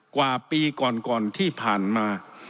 กว่าปีก่อนที่ผ่านมา